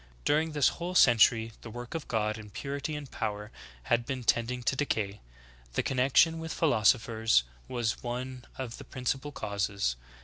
During this whole century the work of God, in purity and power, had been tending to decay. The connection with philosophers was one of the principal causes.